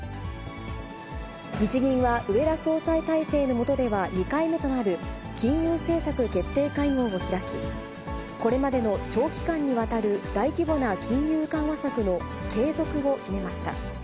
日銀は植田総裁体制の下では２回目となる、金融政策決定会合を開き、これまでの長期間にわたる大規模な金融緩和策の継続を決めました。